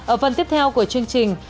ở phần tiếp theo của chương trình